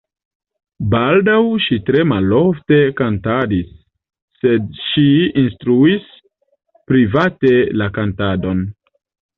Baldaŭ ŝi tre malofte kantadis, sed ŝi instruis private la kantadon.